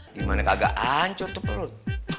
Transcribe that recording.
di mana kagak ancur tuh perut